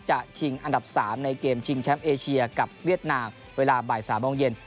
ชิงอันดับ๓ในเกมชิงแชมป์เอเชียกับเวียดนามเวลาบ่าย๓โมงเย็น